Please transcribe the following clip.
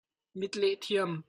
Mitleh thiam.